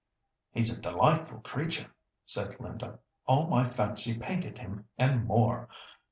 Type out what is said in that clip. "He's a delightful creature," said Linda, "all my fancy painted him, and more.